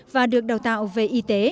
và được đào tạo về y tế